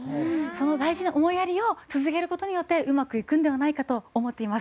その大事な思いやりを続ける事によってうまくいくんではないかと思っています。